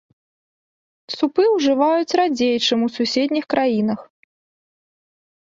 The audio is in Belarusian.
Супы ўжываюць радзей, чым у суседніх краінах.